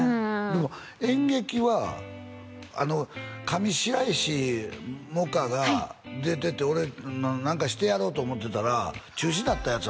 でも演劇は上白石萌歌が出てて俺何かしてやろうと思ってたら中止になったやつがあったやん